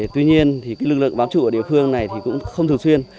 tuy nhiên lực lượng bám trụ ở địa phương này cũng không thường xuyên